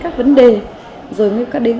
các vấn đề rồi mới có đến